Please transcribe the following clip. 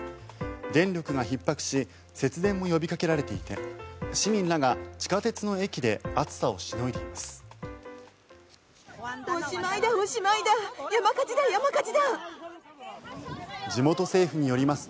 電力がひっ迫し節電も呼びかけられていて市民らが地下鉄の駅で暑さをしのいでいます。